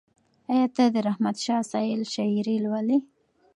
ایا ته د رحمت شاه سایل شاعري لولې؟